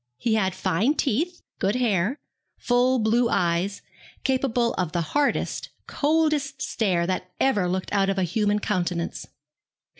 He had fine teeth, good hair, full blue eyes, capable of the hardest, coldest stare that ever looked out of a human countenance.